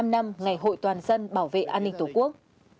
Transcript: bảy mươi năm năm ngày hội toàn dân bảo vệ an ninh tổ quốc